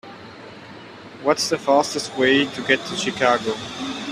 What's the fastest way to get to Chicago?